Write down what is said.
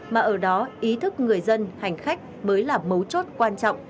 mà ở đó ý thức người dân hành khách mới là mấu chốt quan trọng